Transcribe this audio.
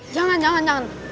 jangan jangan jangan